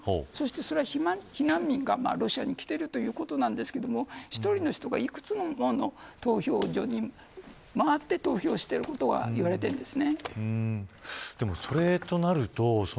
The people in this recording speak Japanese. それは避難民のロシアに来ている人ということですが１人の人がいくつもの投票所に回って投票していることがいわれているんです。